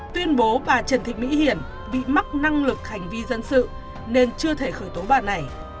tuyên bố bà trần thị mỹ hiển bị mắc năng lực hành vi dân sự nên chưa thể khởi tố bà này